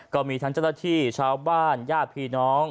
ก็มีทั้งเจ้าหน้าที่ชาวบ้านญาติพี่น้อง